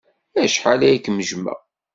Acḥal ay kem-jjmeɣ!